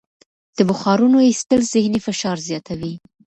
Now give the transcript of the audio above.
د بخارونو ایستل ذهني فشار زیاتوي.